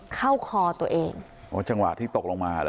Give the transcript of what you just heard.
เข้าคอตัวเองโอ้จังหวะที่ตกลงมาเหรอ